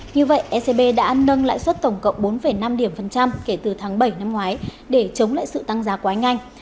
như vậy ecb đã nâng lại xuất tổng cộng bốn năm kể từ tháng bảy năm ngoái để chống lại sự tăng giá quá nhanh